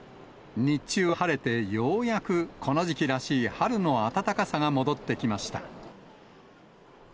日中は晴れてようやくこの時期らしい春の暖かさが戻ってきました。